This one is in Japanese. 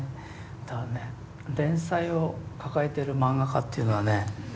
だからね連載を抱えてる漫画家っていうのはね